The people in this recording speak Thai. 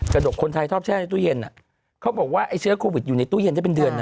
ดกคนไทยชอบแช่ในตู้เย็นเขาบอกว่าไอ้เชื้อโควิดอยู่ในตู้เย็นได้เป็นเดือนนะ